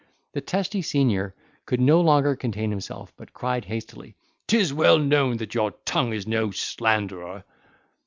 The testy senior could no longer contain himself, but cried hastily, "'Tis well known that your tongue is no slanderer."